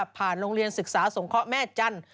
โรงเรียนศึกษาสงเคราะห์แม่จันทร์